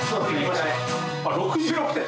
６６点。